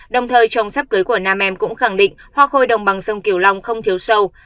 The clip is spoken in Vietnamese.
đồng thời trồng sắp cưới của nam em cũng khẳng định hoa khôi đồng bằng sông kiều long không thiếu sâu